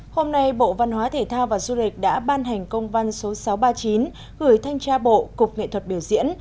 hôm nay bộ văn hóa thể thao và du lịch đã ban hành công văn số sáu trăm ba mươi chín gửi thanh tra bộ cục nghệ thuật biểu diễn